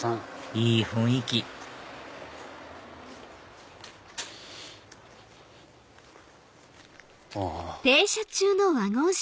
いい雰囲気あ。